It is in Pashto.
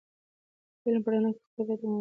د علم په رڼا کې پر مختګ باید دوام ولري.